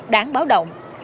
đáng báo động